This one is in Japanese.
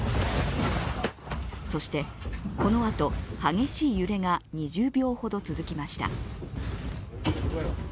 そして、このあと激しい揺れが２０秒ほど続きました。